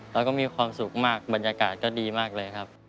แล้วก็มีความสุขมากบรรยากาศก็ดีมากเลยครับ